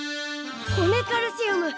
骨カルシウム。